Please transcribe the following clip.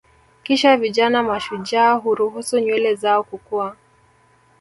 Kisha vijana mashujaa huruhusu nywele zao kukua